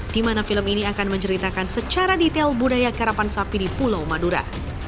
di mana film ini akan menceritakan secara detail budaya karapan sapi di pulau madura